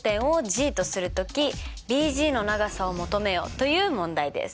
という問題です。